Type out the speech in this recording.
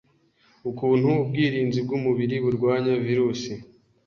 ukuntu ubwirinzi bw'umubiri burwanya virusi